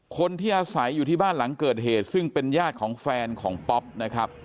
คนที่อาศัยอยู่ที่บ้านหลังเกิดเหตุซึ่งเป็นญาติของแฟนของป๊อปนะครับ